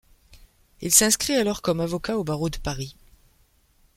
Il s'inscrit alors comme avocat au barreau de Paris.